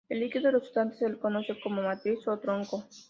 El líquido resultante se conoce como matriz o tronco.